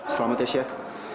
selamat ya syed